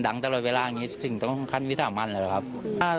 อย่างที่ด้านในมาสุดท้ายเขาจัดบางตัวและรอบรองในหมู่